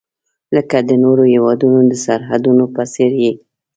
لکه د نورو هیوادونو د سرحدونو په څیر یې.